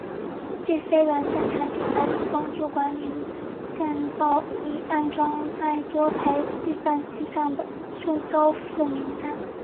这些软件产品还可帮助管理员创建已安装在多台计算机上的热修复名单。